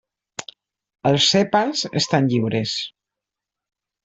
Els sèpals estan lliures.